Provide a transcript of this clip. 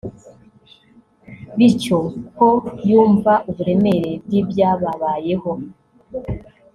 bityo ko yumva uburemere bw’ibyababayeho